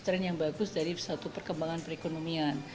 trend yang bagus dari satu perkembangan perekonomian